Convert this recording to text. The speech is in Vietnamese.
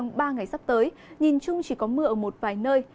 cũng như trong ba ngày sắp tới nhìn chung chỉ có mưa ở một vài nơi